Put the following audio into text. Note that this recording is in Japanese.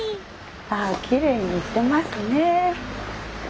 あきれいにしてますね。